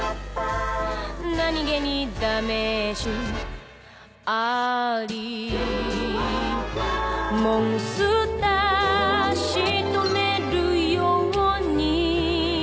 「何気にダメージアリ」「モンスター仕留めるように」